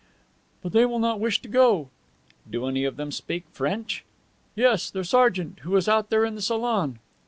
'" "But they will not wish to go." "Do any of them speak French?" "Yes, their sergeant, who is out there in the salon."